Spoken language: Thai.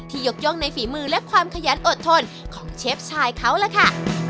ยกย่องในฝีมือและความขยันอดทนของเชฟชายเขาล่ะค่ะ